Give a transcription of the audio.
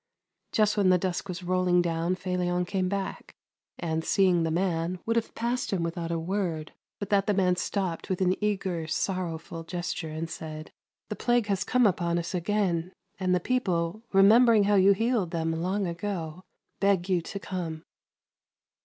Just when the dusk was rolling down, Felion came back, and, see ing the man, would have passed him without a word, but that the man stopped with an eager, sorrowful gesture and said :" The plague has come upon us again, and the people, remembering how you healed them long ago, beg you to come."